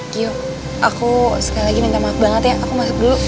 yuk aku sekali lagi minta maaf banget ya aku masuk dulu